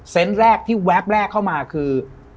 แรกที่แวบแรกเข้ามาคือ